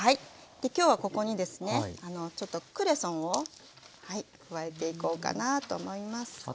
今日はここにですねちょっとクレソンを加えていこうかなと思います。